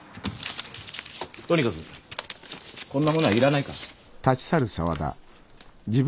とにかくこんなものは要らないから。